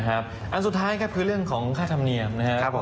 อันสุดท้ายครับคือเรื่องของค่าธรรมเนียมนะครับผม